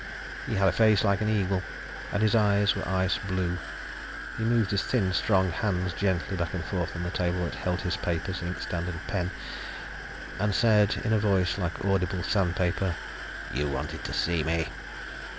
He had a face like an eagle, and his eyes were ice blue. He moved his thin, strong hands gently back and forth on the table that held his papers, inkstand and pen, and said in a voice like audible sandpaper: "You wanted to see me."